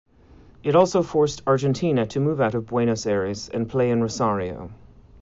It also forced Argentina to move out of Buenos Aires and play in Rosario.